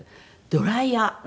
ドライヤー。